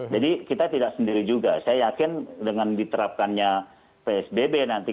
jadi kita tidak sendiri juga saya yakin dengan diterapkannya psbb nanti ketemu